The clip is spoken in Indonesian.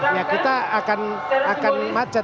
ya kita akan macet